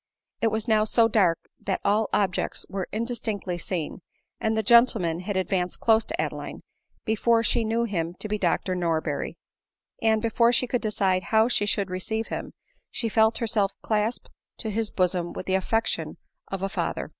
It was now so dark that all objects were in distinctly seen, and the gentleman had advanced close to Adeline before she knew him to be Dr Norberry ; and, before she could decide how she should receive him, she felt herself clasped to his bosom with the affection of a father.